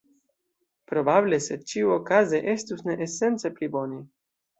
Probable, sed ĉiuokaze estus ne esence pli bone.